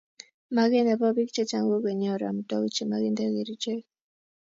Magee ne bo biik che chang ko konyoru amitokik che makinte keriche